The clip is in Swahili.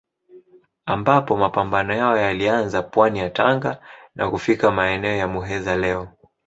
Ambapo mapambano yao yalianza pwani ya Tanga na kufika maeneo ya Muheza ya leo.